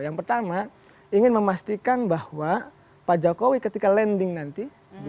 yang pertama ingin memastikan bahwa pak jokowi ketika landing nanti